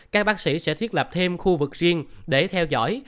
các bác sĩ sẽ thiết lập thêm khu vực riêng để theo dõi